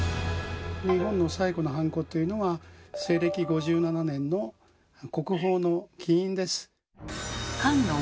日本の最古のハンコというのは西暦５７年の国宝の「金印」です。